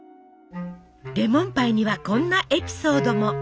レモンパイにはこんなエピソードも。